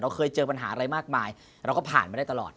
เคยเจอปัญหาอะไรมากมายเราก็ผ่านมาได้ตลอด